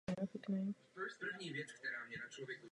Dnes jsme tuto hrozbu viděli v této rozpravě.